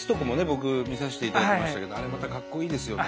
僕見させていただきましたけどあれまたかっこいいですよね。